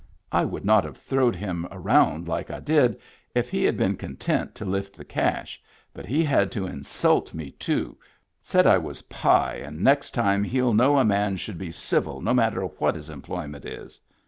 I would not have throwed him around like I did if he had been content to lift the cash but he had to insult me too said I was pie and next time he'll know a man should be civil no matter what his employment is.